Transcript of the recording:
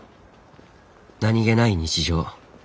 何気ない日常。